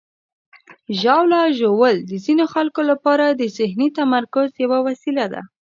ژاوله ژوول د ځینو خلکو لپاره د ذهني تمرکز یوه وسیله ده.